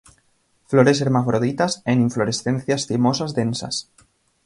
Flores hermafroditas, en inflorescencias cimosas densas.